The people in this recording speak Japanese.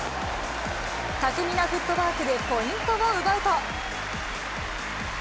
巧みなフットワークでポイントを奪うと。